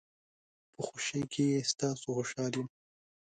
په خوشۍ کې ستاسو خوشحال یم.